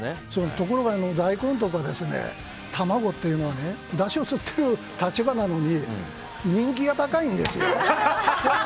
ところが大根とか卵っていうのはだしを吸っている立場なのに人気が高いんですよ。